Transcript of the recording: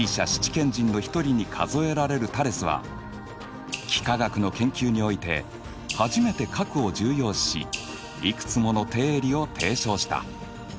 賢人のひとりに数えられるタレスは幾何学の研究において初めて角を重要視しいくつもの定理を提唱した。